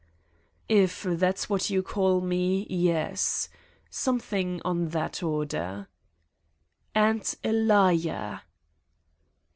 "If that's what you call me yes. Something on that order." "And a liar!"